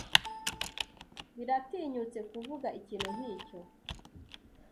Biratinyutse kuvuga ikintu nkicyo.